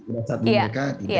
pada saat mereka tidak